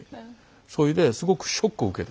それですごくショックを受けた。